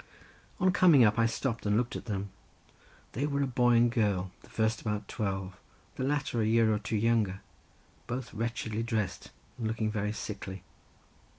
On coming up I stopped and looked at them: they were a boy and a girl; the first about twelve, the latter a year or two younger; both wretchedly dressed and looking very sickly.